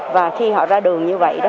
và khi họ ra đường như vậy